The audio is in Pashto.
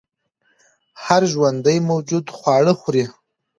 هر ژوندی موجود خواړه خوري